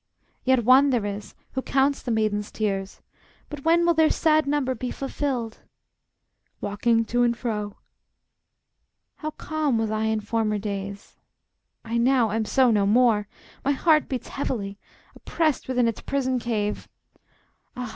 ] Yet One there is, who counts the maiden's tears; But when will their sad number be fulfilled? [Walking to and fro.] How calm was I in former days! I now Am so no more! My heart beats heavily, Oppressed within its prison cave. Ah!